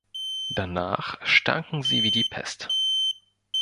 Danach stanken sie wie die Pest.